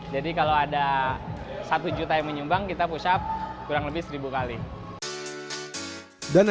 jadi kalau ada satu juta yang menyumbang kita push up kurang lebih seribu kali dana